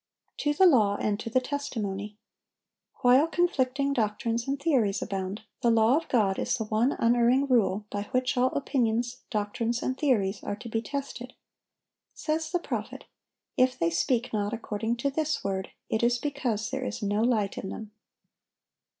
"To the law and to the testimony." While conflicting doctrines and theories abound, the law of God is the one unerring rule by which all opinions, doctrines, and theories are to be tested. Says the prophet, "If they speak not according to this word, it is because there is no light in them."